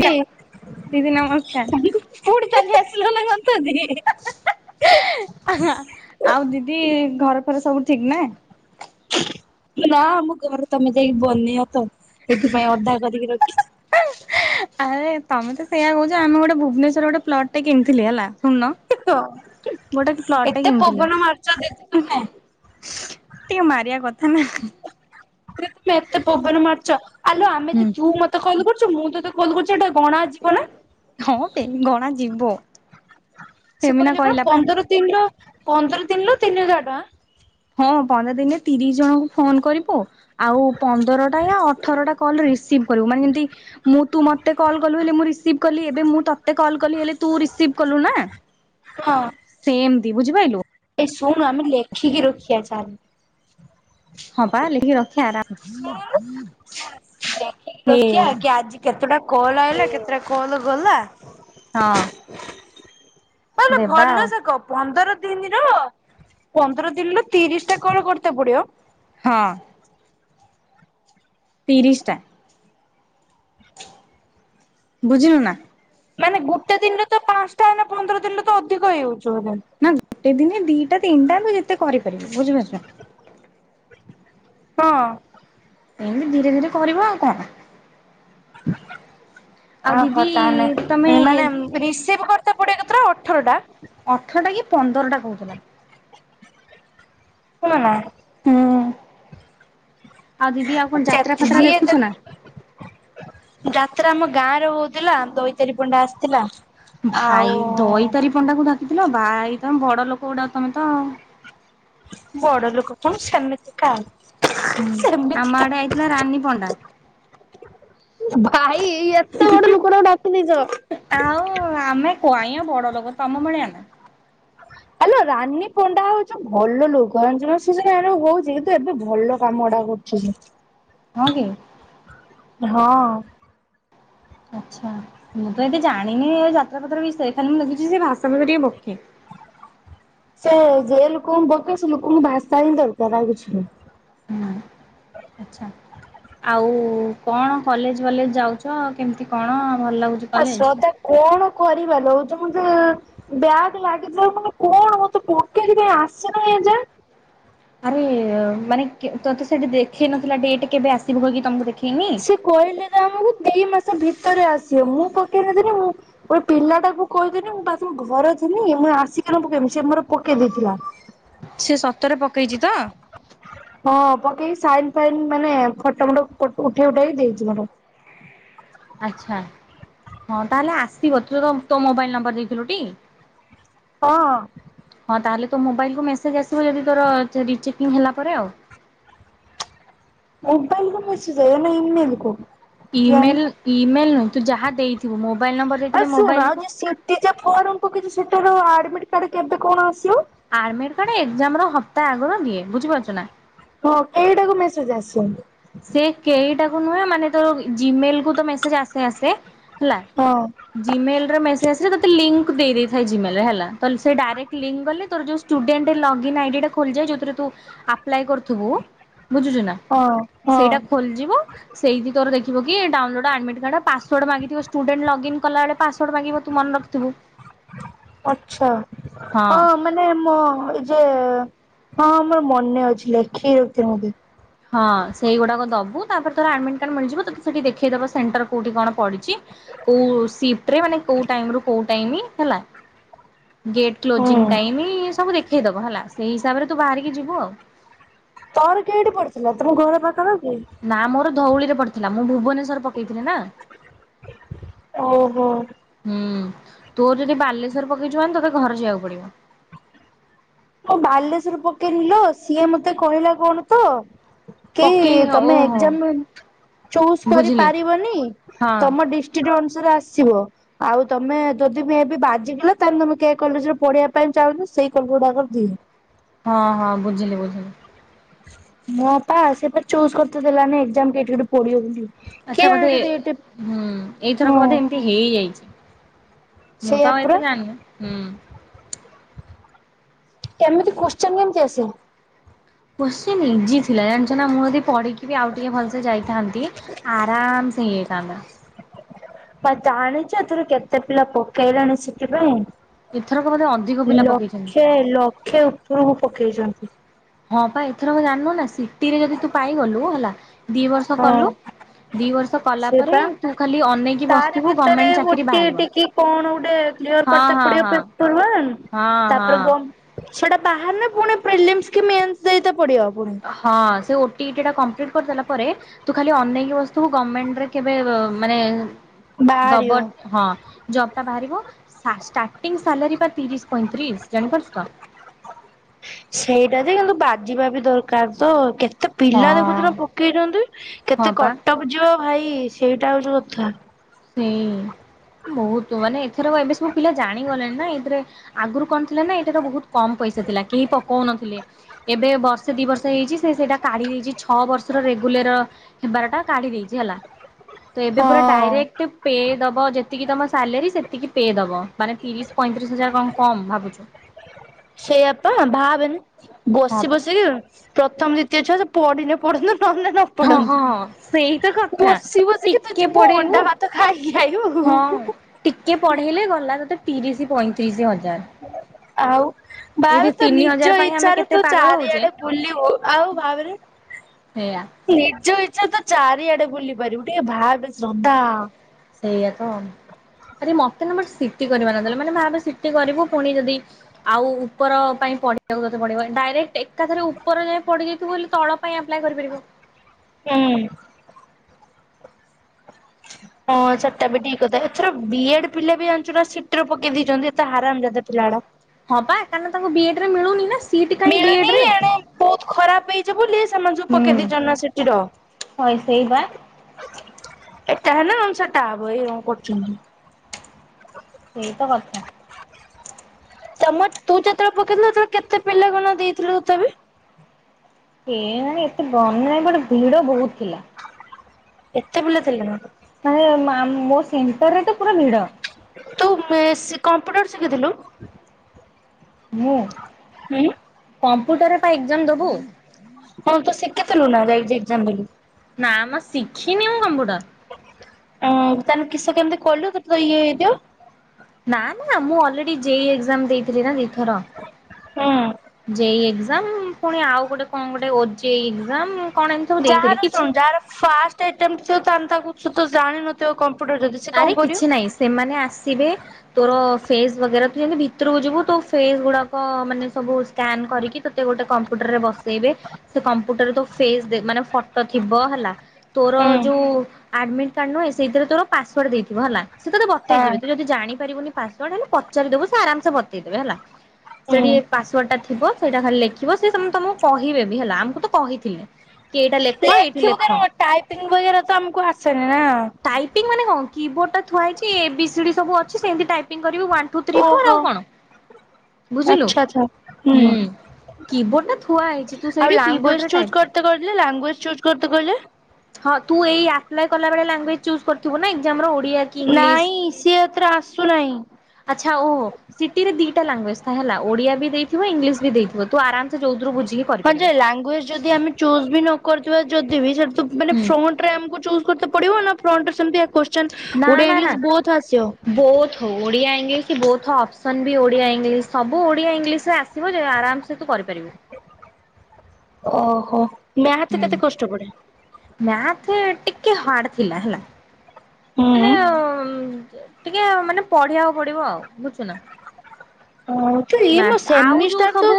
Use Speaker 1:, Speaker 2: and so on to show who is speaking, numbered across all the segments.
Speaker 1: ଯ [unintelligible]
Speaker 2: ଫୁଣି ଚାଲି ଆସିଲ ନା କନ୍ତ ଦେ
Speaker 1: ଆଉ ଦିଦି ଘର ଫର ସବୁ ଠିକ ନାଆ?
Speaker 2: ନା ଆ ଘରେ ତମେ ଯାଇକି ବନେଇଅ ତ ସେଇଥିପାଇଁ ଅଧା କରିକି ରଖ [unintelligible]
Speaker 1: ଆରେ ତମେ ତ ସେଇଆ କହୁଛ ଆମେ ଗୋଟେ ଭୁବନେଶ୍ଵର ଗୋଟେ ପ୍ଲଟ ଟେ କିଣିଥିଲି ହେଲା। ଶୁଣନ ଗୋଟେ ପ୍ଲଟ ଟା
Speaker 2: ଏତେ
Speaker 1: କିଣିଥିଲି।
Speaker 2: ପବନ ମାରୁଛ ଦିଦି ତମେ
Speaker 1: ଟିକେ ମାରିବା କଥା ନା।
Speaker 2: ତମେ ଏତେ ପବନ ମାରୁଛ ଆଲୋ ଆମେ
Speaker 1: ହୁଁ
Speaker 2: ଯେ ତୁ ମତେ କଲ କରୁଛୁ ମୁଁ ତୋତେ କଲ୍ କରୁଛୁ ଏଟା
Speaker 1: ହଁ ବେ ଗଣା ଯିବ।
Speaker 2: ସେ
Speaker 1: ଫେମିନା
Speaker 2: କହିଲେ କଣ
Speaker 1: କହିଲା ପା
Speaker 2: ପନ୍ଦର ଦିନର ପନ୍ଦର ଦିନର ତିନି ହଜାର ଟଙ୍କା।
Speaker 1: ହଁ ପନ୍ଦର ଦିନରେ ତିରିଶ ଜଣଙ୍କୁ ଫୋନ କରିବୁ ଆଉ ପନ୍ଦରଟା ୟ ଅଠରଟା କଲ ସିଭ୍ କରିବୁ, ମାନେ ଯେମିତି, ମୁଁ ତୁ ମତେ କଲ କଲୁ ହେଲେ ମୁଁ ରିସିଭ୍ କଲି ଏବେ ମୁଁ ତତେ କଲି ହେଲେ ତୁ ରିସିଭ୍ କଲୁ ନା ସେମତି ବୁଝିପାଇଲୁ।
Speaker 2: ଏ ଶୁଣୁ ଆମେ ଲେଖିକି ରଖିବା ଚାଲ।
Speaker 1: ହଁ ପା ଲେଖି ରଖି ଆରାମ ହେ
Speaker 2: ରଖିିବା କି ଆଜି କେତେଟା କଲ ଆଇଲା କେତେଟା କଲ ଗଲା।
Speaker 1: ହଁ।
Speaker 2: ତାଲେ
Speaker 1: ଦେବା
Speaker 2: ଭଲ
Speaker 1: ଆଉ
Speaker 2: ସେ କହ ପନ୍ଦର ଦିନର ପନ୍ଦର ଦିନରେ ତିରିଶ ଟା କଲ କରତେ ପଡିବ।
Speaker 1: ହଁ ତିରିଶଟା। ବୁଝିଲୁ ନା?
Speaker 2: ମାନେ ଗୋଟେ ଦିନରେ ତ ପାଞ୍ଚଟା ନା ପନ୍ଦର ଦିନରେ ତ ଅଧିକ ହେଇ
Speaker 1: ନା ଗୋଟେ ଦିନେ ଦିଟା ତିନିଟା ତୁ ଯେତେ କରିପାରିବୁ ବୁଝିପାରୁଛୁ?
Speaker 2: ହଁ।
Speaker 1: ଏମିତି ଧୀରେ ଧୀରେ କରିବ ଆଉ କଣ। ଆଉ
Speaker 2: ଓହୋ
Speaker 1: ଦିଦି ତମେ
Speaker 2: ତାହେନେ ମାନେ ରିସିଭ କରିତେ ଏକାଥରେ ଅଠରଟା।
Speaker 1: ଅଠରଟା କି ପନ୍ଦରଟା କହୁଥିଲା।
Speaker 2: ଶୁଣ ନା।
Speaker 1: ହୁଁ। ଆଉ ଦିଦି ଆଉ କଣ ଯାତ୍ରା ଫାତ୍ରା
Speaker 2: ଯିଏ
Speaker 1: ଦେଖୁଛ ନା
Speaker 2: ଯାତ୍ରା ଆମ ଗାଁ ରେ ହଉଥିଲା ଦଇତାରି ପଣ୍ଡା ଆସିଥିଲା। ଆଉ
Speaker 1: ଭାଇ ଦଇତାରି ପଣ୍ଡାକୁ କିଥିଲ ଭାଇ ତମେ ବଡ ଲୋକ ଗୋଡା ତମେ ତ ଆଉ।
Speaker 2: ବଡ ଲୋକ କଣ ସେମିତି କା ଆଉ।
Speaker 1: ହୁଁ ଆମ
Speaker 2: ସେମିତିକା।
Speaker 1: ଆଡେ ଆଇଥିଲା ରାନୀ ପଣ୍ଡା।
Speaker 2: ଭାଇ ଏଇ ଏତେ ବଡ ଲୋକଟାକୁ
Speaker 1: ଆଉ
Speaker 2: ଡାକିଦେଇଛ।
Speaker 1: ଆମେ କଇଁ ବଡ ଲୋକ ତମ ଭଳିଆ ନା?
Speaker 2: ଆଲୋ ରାନୀ ପଣ୍ଡା ହଉଛି ଭଲ ଲୋକ, ଜାଣିଛୁନା ସେ ସିନା ହଉଛି କିନ୍ତୁ ଏବେ ଭଲ କାମଗୁଡା [inaudible]
Speaker 1: ହଁ କି?
Speaker 2: ହଁ।
Speaker 1: ଆଚ୍ଛା, ମୁଁ ତ ଏତେ ଜାଣିନି ଯାତ୍ରା ଫାତ୍ରା ବିଷୟ ରେ, ଖାଲି ମୁଁ ଲାଗୁଛି ସେ ଭାଷା ବିଷରେ ଟିକେ ବୋକି। [inaudible]
Speaker 2: ସେ ଯେ ଲୋକଙ୍କୁ ବୋଲୁ ଥାଏ, ସେ ଲୋକଙ୍କୁ ଭାଷା ହିଁ ଦରକାର ଆଉ କିଛି ନୁହେଁ।
Speaker 1: ଆଛା, ଆଉ କଣ କଲେଜବଲେଜ ଯାଉଛ କେମିତି କଣ ଭଲ ଲାଗୁଛି
Speaker 2: ଆଉ
Speaker 1: କଲେଜ?
Speaker 2: ଶ୍ରଦ୍ଧା କଣ କରିବ ବ୍ୟାଗ ଲାଗିଥିଲା ମାନେ ତମେ କଣ ମତେ ପକେଇକି ଆସିନ ଏ ଯାଏଁ।
Speaker 1: ଆରେ ମାନେ ତୋତେ ସେଠି ଦେଖେଇ ନଥିଲା ଡେଟ କେବେ ଆସିବ କି ତମକୁ ଦେଖ
Speaker 2: ସେ କହିଲେ ନା ଆମକୁ ଦେଇ ମାସ ସେ ଭିତରେ ଆସିବ ମୁଁ ପକେଇନଥିଲି ମୁଁ ଗୋଟେ ପିଲାଟାକୁ କହିଦିନି ମୁଁ ପା ଘର ଥିଲି ମୁଁ ଆସିକିନା ପକେଇମି ସେ ମୋର ପକେଇ ଦେଇଥିଲା।
Speaker 1: ସେ ସତରେ ପକେଇଛି ତ?
Speaker 2: ହଁ, ପକେଇକି ସାଇନ ଫାଇନ ମାନେ ଫଟ ଫଟ ଉଠେଇ ଉଠେଇକି ଦେଇଛି ମୋର।
Speaker 1: [inaudible] ଆଚ୍ଛା, ହଁ ତାହେଲେ ଆସିବ ତୁ ତୋ ମୋବାଇଲ ନମ୍ବର ଦେଇଥିଲୁ ଟି? ହଁ
Speaker 2: ହଁ।
Speaker 1: ତାହେଲେ ତୋ ମୋବାଇଲକୁୁ ମେସେଜ ଆସିବ ଯଦି ତୋର ରିଚେକିଂ ହେଲା ପରେ ଆଉ।
Speaker 2: ମୋବାଇଲ
Speaker 1: ଇ
Speaker 2: କେଆଣି।
Speaker 1: ମେଲ ଇ ମେଲ ନୁଁ ତୁ ଯାହା ଦେଇ
Speaker 2: ଆଉ ଶୁଣ ଆଉ ଯା ସିଟି ଯା ଫର୍ମ କୁ ସେ ଆଡମିଟ କାର୍ଡ କେବେ କଣ ଆ
Speaker 1: ଆଡମିଟ କାର୍ଡ ଏକ୍ସାମ୍ ର ହପ୍ତା ଆଗରୁ ଦିଏ ବୁଝିପାରୁଛୁ ନା?
Speaker 2: ହଁ କେଇଟାକୁ ମେସଜ ଆସିଚି।
Speaker 1: ସେ କେଇଟାକୁ ନୁହେଁ ମାନେ ତୋ ଜିମେଲ କ ମେସେଜ ଆସ ଆସେ ହେଲା।
Speaker 2: ହଁ
Speaker 1: ଜିମେଲ ର ମେସେଜ ତତେ ଲିଙ୍କ ଦେଇ ଦେଇ ଥାଏ ଜିମେଲ ହେଲା। ସେ ଡାଇରେକ୍ଟ ଲିଙ୍କ ଗଲେ ତୋ ଯୋଉ ଷ୍ଟୁଡେଣ୍ଟ୍ ଲଗଇନ୍ ଆଇ ଡି ଖୋଲିଯାଏ ଯଉଥିରେ ତୁ ଆପ୍ଲେଏ କରିଥିବୁ, ବୁଝୁଚୁନା।
Speaker 2: ହଁ ହଁ।
Speaker 1: ସେଇଟା ଖୋଲିଯିବ ସେଇଟି ତ ଦେଖିବ କି download admit card password ମାଗିଥିବ ଷ୍ଟୁଡେଣ୍ଟ୍ ଲଗିନ କଲା ବଳେ ପାସୱାଡ ମାଗିବ ତୁ ମନେ ରଖିଥିବୁ।
Speaker 2: ଆଚ୍ଛା ହଁ ମାନେ ମୁଁ ଏଇ ଯେ ହଁ ଆମର ମନେ ଅଛି ଲେଖି ରଖତି ମେ
Speaker 1: ହଁ ସେଇଗୁଡାକ ଦବୁ ତାପରେ ତୋର ଆଡମିଟ କାଡ୍ ମିଳିଯିବ ତୋତେ ସେଠି ଦେଖେଇଦବ ସେଣ୍ଟର କୋଉଠୀ କଣ ପଡିଛି। କୋଉ ସିଫ୍ଟ ମାନେ କୋଉ ଟାଇମ ରୁ କୋଉ ଟାଇମ ହେଲା। ଗେଟ
Speaker 2: ହୁଁ।
Speaker 1: କ୍ଲୋଜିଙ୍ଗ ସବୁ ଦେଖେଇଦବ ହେଲା, ସେଇ ହିସାବରେ ତୁ ବାହାରିକି ଯିବୁ ଆଉ।
Speaker 2: ତୋର କେଉଠି ପଡିଥିଲା ତମ ଘର ପାଖରେ?
Speaker 1: ନା ମୋର ଧଉଳି ରେ ପଡିଥିଲା ମୁଁ ଭୁବନେଶ୍ଵର ପକେଇଥିଲି ନା।
Speaker 2: ଓହୋ।
Speaker 1: ହୁଁ। ତୋର ଯଦି ବାଲେଶ୍ଵର ପକେଇଛୁ ମାନେ ତତେ ଘରେ ଯିବାକୁ ପଡିବ।
Speaker 2: ତଁ ବାଲେଶ୍ଵର ପକେଇ ନିଲୋ ସିଏ ମତେ କହିଲା କଣ ତ କି
Speaker 1: ପକେଇ
Speaker 2: ତମେ
Speaker 1: ଓହୋ
Speaker 2: ଏକ୍ଜାମ ଚୁଜ
Speaker 1: ବୁଝିଲି।
Speaker 2: କରିପାରିବନି
Speaker 1: ହଁ
Speaker 2: ତମ ଡିଷ୍ଟ୍ରିକଟ ଅନୁ ଆସିବ ଆଉ ତମେ ଯଦି ଏବେ ବି ବାଜିଯିବ ତାହେଲେ ତମେ କେ କଲେଜରେ ପଢିବା ପାଇଁ ଚାହୁଁଛ। ସେଇ କଲଗଡା କରିଦି।
Speaker 1: ହଁ ହଁ ବୁଝିଲି ବୁଝିଲି।
Speaker 2: ମୋ ବାପା ସେ ପା ଚୁଜ କରିଥିଲେ ଦେଲାନ ଏକ୍ଜାମ କେଠି କୋଠି ପଢିବ ବୋଲି।
Speaker 1: ଆଚ୍ଛା
Speaker 2: କେଆଣି
Speaker 1: ବୋଧେ
Speaker 2: ଯଦି ଏଠି
Speaker 1: ହୁଁ ଏଇଥରକ
Speaker 2: ହଁ
Speaker 1: ବୋଧେ ଏମିତି ହେଇଯାଇଛି। ମୁଁ
Speaker 2: ସେଇଆ
Speaker 1: ତ
Speaker 2: ପରା
Speaker 1: ଏତେ ଜାଣି ନି ହୁଁ।
Speaker 2: କେମିତି କୋଶ୍ଚନ କେମତି ଆସ?
Speaker 1: କୋ୍ଚିନ ଇଜି ଥିଲା ଜାଣିଛ ନା ମୁଁ ଯଦି ପଢିକି ବି ଆଉ ଟିକେ ଭଲସେ ଯାଇଥାନ୍ତି। ଆରାମସେ ହେଇଯାଇଥାନ୍ତା।
Speaker 2: ଆ ଜାଣିଛୁ ଏଥିରୁ କେତେ ପିଲା ପକେଇଲେଣି ସେଥିପାଇଁ
Speaker 1: ଏଥରକ ବୋଧେ ଅଧିକ ପିଲା ପକେଇଛନ୍ତି।
Speaker 2: ଲକ୍ଷେ ଲକ୍ଷେ ଉପରକୁ ପକେଇଛନ୍ତି।
Speaker 1: ହଁ ବା ଏଥର ଜାଣିନୁ ନା ସିଟିରେ ଯଦି ତୁ ପାଇଗଲୁ ହେଲା ଦି ବର୍ଷ
Speaker 2: ହଁ
Speaker 1: କଲୁ। ଦି ବର୍ଷ କଲା ପରେ
Speaker 2: ସେପା
Speaker 1: ତୁ ଖାଲି ଅନେଇକି
Speaker 2: ତାରି
Speaker 1: ବସିଥିବୁ
Speaker 2: ଭିତରେ
Speaker 1: ଗମେଣ୍ଟ୍ ଚାକିରୀ
Speaker 2: ଗୋଟେ
Speaker 1: ବାହାରିବ।
Speaker 2: ଟିକେ କଣ ଗୋଟେ କ୍ଲିୟର
Speaker 1: ହଁ
Speaker 2: କରିତେ
Speaker 1: ହଁ
Speaker 2: ପଡିିବ
Speaker 1: ହଁ
Speaker 2: ପେପର ୱାନ୍।
Speaker 1: ହଁ ହଁ।
Speaker 2: ତାପରେ ଗମ୍ ସେଟା ବାହାରେ ପୁଣି ପ୍ରେଲିମ୍ କି ମେନ୍
Speaker 1: ହଁ ସେ ଓଟି ଇଟି ଟା କମ୍ପ୍ଲିଟ କରିଦେଲା ତୁ ଖାଲି ଅନେଇକି ବସିଥିବୁ ଗମେଣ୍ଟରେ କେବେ ମାନେ ଦବ
Speaker 2: ବାହାରିବ।
Speaker 1: ହଁ। ବାହାରିବା ଷ୍ଟ। ଟିଙ୍ଗ୍ ସାଲେରି ପା ତିରିଶି ପଇଁତିରିଶି ଜାଣିପାରିଛୁ ତ?
Speaker 2: ସେଇଟା ଯେ କିନ୍ତୁ ବାଜିବା ବି ଦରକାର ତ କେତେ କେତେ ପିଲା
Speaker 1: ହଁ
Speaker 2: ଦେଖୁଛୁ ପକେଇଛନ୍ତି
Speaker 1: ହଁ
Speaker 2: କେତେ
Speaker 1: ପା
Speaker 2: କଟକ ଯିବ ଭାଇ ସେଇଟା ହଉଚି କଥା।
Speaker 1: ସେଇ ବହୁତ୍ ମାନେ ଏଥର ଏବେ ସବୁ ପିଲା ଜାଣିଗଲେଣି ନା ଏଥିରେ ଆଗରୁ କଣ ଥିଲା ନା ଏ ବହୁତ୍ କମ ପଇସା ଥିଲା କେହି ପକଉ ନଥିଲେ ଏବେ ବର୍ଷେ ଦି ବର୍ଷ ହେଇଛି ସେ ସେଇଟା କାଢ଼ି ଦେଇଛି ଛଅ ବର୍ଷର [unintelligible] ହେବାର ଟା କାଢି ଦେଇଛି ହେଲା ତ ଏବେ ପୁରା
Speaker 2: ହଁ
Speaker 1: ଡାଇରେକ୍ଟ ପେ ଦବ ଯେତିକି ତମ ସାଲେରି ସେତିକି ପେ ଦବ ମାନେ ତିରିଶି ପଇଁତିରିଶ ହଜାର କଣ କମ ଭାବୁଛୁ। ୍ [inaudible]
Speaker 2: ସେଇଆପ ଭାବେନି
Speaker 1: ହଁ
Speaker 2: ବସି
Speaker 1: ପା
Speaker 2: ବସିକି ପ୍ରଥମ [unintelligible] ନହେଲେ ନ
Speaker 1: ହଁ ହଁ ସେଇ ତ
Speaker 2: ପଢନ୍ତୁ
Speaker 1: କଥା
Speaker 2: ବସି ବସିକି ତୁ
Speaker 1: ଟିକେ
Speaker 2: ଯିବୁ
Speaker 1: ପଢେଇବୁ
Speaker 2: ଅଣ୍ଡା ଭାତ ଖାଇକି ଖାଇ ଖାଇବୁ
Speaker 1: ହଁ ଟିକେ ପଢେଇଲେ ଗଲା ତତେ ତିରିଶି ପଇଁତିରିଶି ହଜାର।
Speaker 2: ଆଉ
Speaker 1: ଏଇଠି
Speaker 2: ଭାବେ ତୋ
Speaker 1: ତିନି ହଜାର
Speaker 2: ନିଜ
Speaker 1: ପାଇଁ ଆମେ
Speaker 2: ଇଚ୍ଛାରେ
Speaker 1: କେତେ
Speaker 2: ତୁ
Speaker 1: ପାଗଳ ହଉଛେ
Speaker 2: ଚାରିଆଡ଼େ ବୁଲିବୁ ଆଉ ଭାବେ
Speaker 1: [inaudible]
Speaker 2: ନିଜ ଇଚ୍ଛାରେ ତ ଚାରିଆଡ଼େ ବୁଲି ପାରିବୁ ଟିକେ ଭାବେ ଶ୍ରଦ୍ଧା।
Speaker 1: ସେଇଆ ତ [unintelligible] ସିଟି କରିବ ନ ଦେଲେ ମାନେ ଭାବେ ସିଟି କରିବୁ ପୁଣି ଯଦି ଆଉ ଉପର ପାଇଁ ପଡିିବାକୁ ତ ଡାଇରେକ୍ଟ ଏକାଥରେ ଉପର ଯାଏଁ ପଢି଼ଦେଇଥିବୁ ତଳ ପାଇଁ ଆପ୍ଲାଏ କରିପାରିବୁ।
Speaker 2: ହୁଁ।
Speaker 1: [inaudible]
Speaker 2: ହଁ ସେଟା ବି ଠିକ୍ କଥା ଏଥର ବି, ଏଡ଼ ପିଲା ବି ଜଣିଛୁ ନା ସିଟିରେ ପକେଇ ଦେଇଛନ୍ତି ଏତେ ହାରାମ ଯାଦା ପିଲାଉଡା।
Speaker 1: ହଁ ପା କାରଣ ତାଙ୍କୁ ବି, ଏଡ଼ ରେ ମିଳୁନି ନା ସିଟ୍ କାଇଁ ବି, ଏଡ଼ ରେ।
Speaker 2: ବୁଲି ସେମାନେ ସବୁ
Speaker 1: ହୁଁ
Speaker 2: ପକେଇ ଦେଇେଇଛନ୍ତି ନା ସିଟିର।
Speaker 1: ହଇ ସେଇ ବା
Speaker 2: ଏଟା ହେଲେ ନହେଲେ ସେଟା ହବ ଏ କରୁଛନ୍ତି।
Speaker 1: ସେଇ ତ କଥା।
Speaker 2: ତମର ତୁ ଯେତେବେଳେ ପକେଇଥିଲୁ ସେତେବେଳେ କେତେ ପିଲା କଣ ଦେଇଥିଲୁ ତଥାପି?
Speaker 1: କେଜାଣି ଏତେ ମନେ ନାହିଁ [unintelligible] ଭିଡ଼ ବହୁତ୍ ଥିଲା।
Speaker 2: ଏତେ ପିଲା ଥିଲେ ନା?
Speaker 1: ମୋ ସେଣ୍ଟର ରେ ତ ପୁରା ଭିଡ଼।
Speaker 2: ଏପଟରୁ ଶିଖିଥିଲୁ।
Speaker 1: ମୁଁ
Speaker 2: ହୁଁ।
Speaker 1: କମ୍ପ୍ୟୁଟରରେ ଏକ୍ଜାମ୍ ଦବୁ।
Speaker 2: ହଁ ତୁ ଶିଖିଥିଲୁ ନା [unintelligible] ଏକ୍ଜାମ୍ ଦେଲୁ।
Speaker 1: ନା ମ ଶିଖିନି ମୁଁ କମ୍ପ୍ୟୁଟର।
Speaker 2: ହଁ ତାହେଲେ କିସ କେମିତି କଲୁ ତୋତେ ତ ଇଏ ହେଇଥିବ।
Speaker 1: ନା ନା ମୁଁ ଅଲରେଡି ଜେଇ ଏକ୍ଜାମ୍ ଦେ ଦିଥର
Speaker 2: ହୁଁ
Speaker 1: ଦେଇ ଏ ପୁଣି ଆଉ ଗୋଟେ କଣ ଗୋଟେ ଓ, ଜେଇ ଏକ୍ଜାମ୍।
Speaker 2: ଯାହାର ଶୁଣୁ ଯାହାର ଫାଷ୍ଟ ଆଟେମ୍ପେଡ ଥିବ ତାହେଲେ ତାଙ୍କୁ ଜାଣିନଥିବ ଯଦି ସେ କଣ
Speaker 1: ଆରେ
Speaker 2: କରିବ
Speaker 1: କିଛି ନହିଁ ସେମାନେ ଆସିବେ ତୋର ଫେସ୍ ବଗେରା ତୁ ଯେମତି ଭିତରକୁ ଯିବୁ ତୋ ଫେ ଫେସ୍ ଗୁଡାକ ମାନେ ସବୁ ମାନେ ସ୍କାନ କରିକି ତତେ ଗୋଟେ କମ ମ୍ପ୍ୟୁଟର ରେ ବସେଇବେ ସେ କମ୍ପୁଟର ରେ ତୋ ଫେସ୍ ଦେ ମାନେ ଫଟୋ ଥିବ ହେଲା। ତୋର
Speaker 2: ହୁଁ
Speaker 1: ଯୋଉ ଆଡମିଟ୍ କାର୍ଡ ନୁହେଁ ସେଇଥିରେ ତୋର ପାସୱାର୍ଡ଼ ଦେଇଥିବ ହେଲା। ସେ ତତେ
Speaker 2: ହଁ
Speaker 1: ବତେଇଦେବେ ତୁ ଯଦି ଜାଣି ପାରି ବୁନି ପାସୱାର୍ଡ ହେଲେ ପଚିଦବୁ ସେ ଆରାମସେ ବତେଇ ଦବେ ହେଲା।
Speaker 2: ହୁଁ।
Speaker 1: ସେଠି ପାସୱାର୍ଡ ଟା ଥିବ ସେଇଟା ଖାଲି ଲେଖିବ ସିଏ ସେ ତମକୁ କହିବେ ବି ହେଲା ଆମକୁ ତ କହିଥିଲେ। କି ଏଇଟା ଲେଖ ଏଇଠି
Speaker 2: ଲେଖିବୁ
Speaker 1: ଲେଖ।
Speaker 2: କଣ ଟାଇପିଙ୍ଗ ବଗେରା ତ ଆମକୁ ଆସେନି ନା।
Speaker 1: ଟାଇପିଂ ମାନେ କଁ କି ବୋଡ ଟା ଥୁଆ ହେଇଛି ଏ ବି ସି ଡ଼ି ସବୁ ଅଛି ସେମତିି ଟାଇପଙ୍ଗ। କରିବୁ ୱାନ ଟୁ ଥ୍ରି ଫୋର୍
Speaker 2: ଓହୋ।
Speaker 1: ଆଉ କଣ ବୁଝିଲୁ
Speaker 2: ଆଚ୍ଛା ଆଚ୍ଛା
Speaker 1: ହୁଁ। କି ବୋର୍ଡ ଟା ଥୁଆ ହେଇଛି ତୁ
Speaker 2: ଆଉ
Speaker 1: ସେଇଠି
Speaker 2: ଲାଙ୍ଗୁଏଜ
Speaker 1: କିବୋର୍ଡରେ
Speaker 2: ଚୁଜ
Speaker 1: ଟାଇପ କରିବୁ।
Speaker 2: କରତେ କହିଲେ ଲାଙ୍ଗୁଏଜ ଚୁଜ କରତେ କହିଲେ?
Speaker 1: ହଁ ତୁ ଏଇ ଆପ୍ଲାଏ କଲା ବେଳେ ଲାଙ୍ଗୁଏଜ ଚୁଜ କରିଥିବୁ ନା ଏକଜାମ ର। ଓଡିଆ କି ଇଂଲିଶ।
Speaker 2: ନାଇଁ ସିଏ ଏଥିରେ ଆସୁ ନାହିଁ।
Speaker 1: ଆଛା ଓହ ସିଟିରେ ଦିଟା ଲାଙ୍ଗୁଜ ଥାଏ ହେଲା ଓଡିଆ ବି ଦେଇଥିବ ଇଂଲିଶ ବି ଦେଇଥିବ ତୁ ଆରାମ ସେ ଯଉଥୀରୁ ବୁଝ।
Speaker 2: ହଁ ଯେ ଲାଙ୍ଗୁଏଜ ଯଦି ଆମେ ଚୁଜ୍ ବି ନ କରଥିବା ଯଦି ବି ସେ ମାନେ
Speaker 1: ହୁଁ
Speaker 2: ଫ୍ରଣ୍ଟରେ ଆମକୁ ଚୁଜ୍ କରିତେ ପଡିବ ନା ଫ୍ରଣ୍ଟରେ ସେମତି।
Speaker 1: ନା ନା ନା ବୋଥ ଓଡ଼ିିଆ ଇଂଗ୍ଲିସ୍। କି ବୋଥ ଅପସନ ବି ଓଡିଆ ଇଂଲିଶ ସବୁ ଓଡିଆ ଇଂଲିଶ ରେ ଆସିବ ଯ ଆରାମ ସେ ତୁ କରିପାରିବୁ।
Speaker 2: ଓହୋ ମାଥ କେତେ କଷ୍ଟ ପଡେ।
Speaker 1: ମାଥ ଟିକେ ହାର୍ଡ ଥିଲା ହେଲା
Speaker 2: ହୁଁ।
Speaker 1: ମାନେ ଓ। ଟିକେ ମାନେ ପଢିବାକୁ ପଡିବ ଆଉ ବୁଝୁଚୁ ନା।
Speaker 2: ହଁ ତ ଇଏ ମୋ
Speaker 1: ମ୍ୟାଥ୍ ଆଉ ଯୋଉ
Speaker 2: ସେମିଷ୍ଟାର ତ
Speaker 1: ସବୁ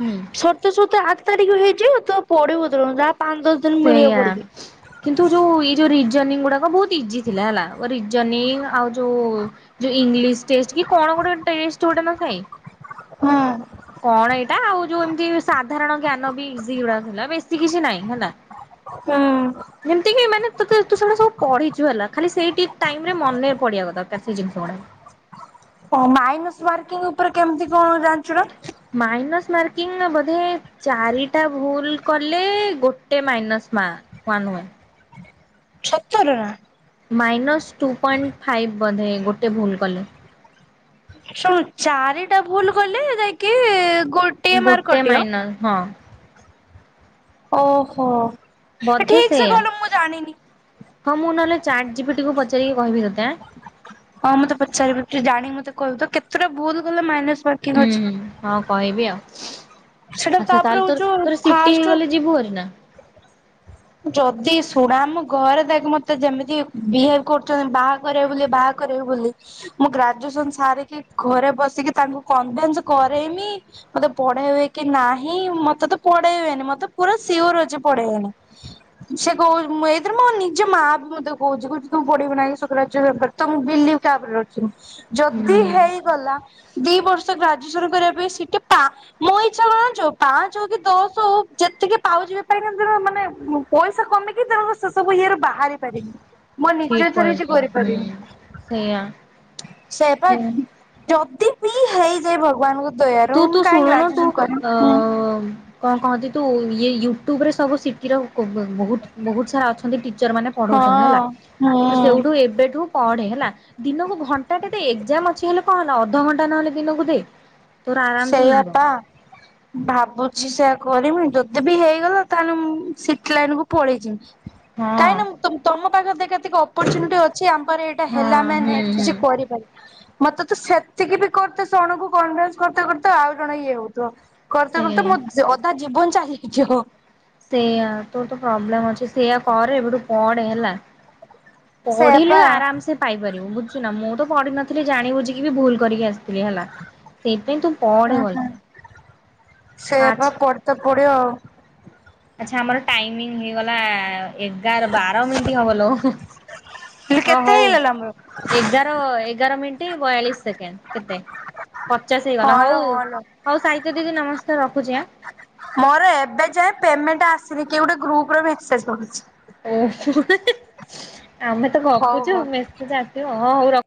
Speaker 1: ହୁଁ
Speaker 2: ସରିତେ ସରିତେ ଆ ଠ ତାରିଖ ହେଇଯିବ ତ ପଢିବ।
Speaker 1: ସେଇଆ କିନ୍ତୁ ଯୋଉ ଏଇ ଯୋଉ ରି ଜୋଇନିଂ ଗୁଡାକ ବହୁତ ଇଜି ଥିଲା ହେଲା ଓ ରିଯୋନିଂ ଆଉ ଯୋଉ। ଯୋଉ ଇଂଲିଶ୍ ଟେଷ୍ଟ କି କଣ ଗୋଟେ ଟେଷ୍ଟ ଗୋଟେ ନଥାଏ।
Speaker 2: ହଁ।
Speaker 1: କଣ ଏଇଟା ଆଉ ଯୋଉ ଏମିତି ସାଧାରଣ ଜ୍ଞାନ ବି ଇଜି ଗୁରା ଥିଲା ବେଶୀ କିଛି ନାଇଁ ହେଲା।
Speaker 2: ହୁଁ।
Speaker 1: ତ ତୁ ତୁ ସେଗୁାଡା ସବୁ ପଢିଛୁ ହେଲା ଖାଲି ସେଇ ଠିକ ଟାଇମ ରେ ମନେ ପଡିବା ଦରକାର ସେଇ ଜିନିଷ ଗୁଡା। [inaudible]
Speaker 2: ହଁ ମାଇନସ ମାର୍କିଂ ଉପରେ କେମିତି କଣ ଜାଣିଚୁ ନା।
Speaker 1: ମାଇନସ୍ ମାର୍କିଂ ନା ବୋଧେ ଚାରିଟା ଭୁଲ କଲେ ଗୋଟେ ମାଇନସ୍। ମା ୱାନ ୱାନ୍।
Speaker 2: ଛତରେ ନା।
Speaker 1: ମାଇନସ୍ ଟୁ ପଏଣ୍ଟ ଫାଇଫ୍ ବୋଧେ ଗୋଟେ ଭୁଲ କଲେ।
Speaker 2: ଶୁଣ୍ ଚାରିଟା ଭୁଲ କଲେ ଯାଇକି। ଗୋଟିଏ ମାର୍କ
Speaker 1: ଗୋଟେ
Speaker 2: କଟିବ।
Speaker 1: ମାଇନଲ ହଁ।
Speaker 2: ଓହୋ ଏ
Speaker 1: ବୋଧେ
Speaker 2: ଠିକ ସେ
Speaker 1: ସେଇଆ।
Speaker 2: କଇଲୁ ମୁଁ ଜାଣିନି।
Speaker 1: ହଁ, ମୁଁ ନହେଲେ ଚାର୍ଟ ଜିପିଟିକୁ ପଚାରିକି କହିବି ତତେ ଆଁ।
Speaker 2: ହଁ ମୁଁ ତତେ ପଚାରିବି ଟିକେ ଜାଣିକି ମତେ କହିବୁ ତ କେତେଟା ଭୁଲ କଲେ ମାଇନସ୍।
Speaker 1: ହୁଁ ହୁଁ ହଁ କହିବି ଆଉ।
Speaker 2: ସେଟା
Speaker 1: ଆଚ୍ଛା
Speaker 2: ତାପରେ
Speaker 1: ତାହେଲେ ତୋର
Speaker 2: ହଉଛୁ
Speaker 1: ତୋର ସିଟି
Speaker 2: ଫାଷ୍ଟ
Speaker 1: ହେଇଗଲେ ଯିବୁ ଭାରି ନା?
Speaker 2: ଯଦି ଶୁଣ ଆମ ଘରେ ଦେଖେ ମତେ ଯେମିତି ବିହେବ କରୁଛନ୍ତି, ବାହା କରିବେ ବୋଲି ବାହା କରିବୁ ବୋଲି ମୁଁ ଗ୍ରାଜୁସନ ସାରିକି ଘରେ ବସିକି ତାଙ୍କୁ କନଭିଁନ୍ସ କରେଇମି। ମତେ ପଢେଇ ବେ କି ନାହିଁ, ମତେ ତ ପଢେଇ ବେନି ମତେ ପୁରା ସିଓର ଅଛି ପଢେଇ ବେନି।
Speaker 1: [inaudible]
Speaker 2: ସେ କହୁ ଏଇଥିରେ ମୋ ନିଯେ ମା ବି ମତେ କହୁଛି କହୁଛି ତୁ ପଢିବୁ ନା ଆଗେ ଶୁକିଲା ଟାରେ [unintelligible] ତ ମୁଁ ବିଲିଭ। କା ଉପରେ ରଖିବି ଯଦି
Speaker 1: ହୁଁ
Speaker 2: ହେଇଗଲା ଦି ବର୍ଷ ଗ୍ରା ଯୁଏଜସନ କରିବା ପାଇଁ ସି ଟି ପା ମୋ ଇଛା କଣ ଜାଣିଚୁ ପାଞ୍ଚ ହଉ କି ଦଶ ହଉ ଯେତିକି ପାଉଛି ବି ପାଏ।
Speaker 1: [inaudible]
Speaker 2: ପଇସା କମିକି ତା ସେ ସବୁ ଇଏରେ ବାହାରି ପାରିବି। ମୁଁ
Speaker 1: ଠିକ
Speaker 2: ନିଜେଥରେ କିଛି
Speaker 1: କହିଛୁ ହୁଁ
Speaker 2: କରିପାରିନି।
Speaker 1: ସେଇଆ
Speaker 2: ସେୟା ପା
Speaker 1: ସେଇଆ।
Speaker 2: ଯଦି ବିି ହେଇଯାଏ ଭଗବାନଙ୍କୁ
Speaker 1: ତୁ-ତୁ ଶୁଣୁନ ତୁ ଅ କଣ କହନ୍ତି ତୁ ୟେ ୟୁଟ୍ୟୁବ ରେ ସବୁ ସିଖିଦବୁ ବହୁତ-ବହୁତ ସାରା ଅଛନ୍ତି ଟି ଟିଚର ମାନେ
Speaker 2: ହଁ
Speaker 1: ପଢଉଛନ୍ତି ହେଲା।
Speaker 2: ହୁଁ
Speaker 1: ତୁ ସେଇଠୁ ଏବେଠୁ ପଢେ, ହେଲା ଦିନକୁ ଘଣ୍ଟାଟେ ତ ଏକ୍ଜାମ ଅଛି ହେଲେ କଣ ହେଲା? ଅ ଅଧଘଣ୍ଟା ନହେଲେ ଦିନକୁ ଦେ। ତୋର ଆରାମସେ
Speaker 2: ସେଇଆା
Speaker 1: ହେଇଯିବ
Speaker 2: ପା ଭାବୁଛି ସେଆ କରିବି ଯଦି ବି ହେଇଗଲା, ତାହେଲେ ମୁଁ ସିଟି ଲାଇନ କୁ ପଳେଇ ଯିବି।
Speaker 1: ହଁ।
Speaker 2: କାହିଁକିନା ତ ତମ ପାଖରେ ଦେଖେ ଏତିକି ଅପରଚ୍ୟୁନିଟି ଅଛି ଆମ ପାଖରେ ଏଇଟା ହେଲେ
Speaker 1: ହଁ
Speaker 2: ଆମେ
Speaker 1: ହୁଁ
Speaker 2: ନେକ୍ସଟ୍
Speaker 1: ହୁଁ
Speaker 2: କିଛି କରି ପାରିବୁ। ମତେ ତ ସେତିକି ବି କରତେ ଜଣକୁ କନଭେନ୍ସ କରୁ-କରୁ ଆଉ ଜଣ ଇଏ ହଉଥିବ।
Speaker 1: ସେଇ
Speaker 2: କରୁ-କରୁ ମୋ ଅଧା ଜୀବନ ଚାଲି ଯାଇଥିବ।
Speaker 1: ସେୟା ତୋର ତ ପ୍ରୋବ୍ଲେମ ଅଛି ସେଇୟା କରେ, ଏବେଠୁ ପଢେ ହେଲା। ପଢିଲେ
Speaker 2: ସେଇଆପା
Speaker 1: ଆରାମ ସେ ପାଇପାରିବୁ ବୁଝୁ ନା ମୁଁ ତ ପଢିନଥିଲି ଜାଣି ବୁଝିକି ବି ଭୁଲ କରିକି ଆସିଥିଲି ହେଲା ସେ ତୁ ପଢେ
Speaker 2: ହୁଁ ହୁଁ
Speaker 1: ଭଲସେ।
Speaker 2: ସେଇଆପା ପଢତେ ପଡିବ ଆଉ।
Speaker 1: ଆଚ୍ଛା ଆମର ଟାଇମିଂ ହେଇଗଲା। ଏଗାର, ବାର ମିନିଟ ହବଲୋ।
Speaker 2: ଇଲୋ
Speaker 1: ହଁ
Speaker 2: କେତେ
Speaker 1: ହଉ
Speaker 2: ହେଇଗଲା ଆମର?
Speaker 1: ଏଗାର-ଏଗାର ମିନି ବୟାଳିଶ ସେକେଣ୍ଡ କେତେ ପଚାଶ
Speaker 2: ହଁ
Speaker 1: ହେଇଗଲା।
Speaker 2: ଲୋ ହଁ ଲୋ
Speaker 1: ହଉ-ହଉ ସାହିତ୍ୟ ଦିଦି ନମସ୍କାର ର ପୂ
Speaker 2: ମୋର ଏବେ ଯାଏଁ ପେମେଣ୍ଟ ଆସିନି। କିଏ ଗୋଟେ ଗ୍ରୁପ ରେ ମେସେଜ୍ ପଢୁଚି।
Speaker 1: ଓ- ହେଁ ଆମେ ତ
Speaker 2: ହଉ
Speaker 1: ଗପୁଛୁ
Speaker 2: ହଉ।
Speaker 1: ମେସେଜ ଆସିବ ଆଉ। ହଁ ହଉ ରଖ୍-